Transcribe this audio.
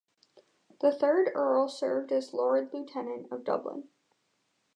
The third Earl served as Lord-Lieutenant of Dublin.